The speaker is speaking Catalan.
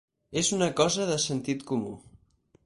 És una cosa de sentit comú.